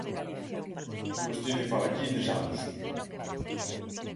Vostede fala aquí de tres anos.